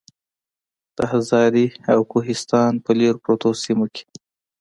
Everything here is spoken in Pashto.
د هزارې او کوهستان پۀ لرې پرتو سيمو کې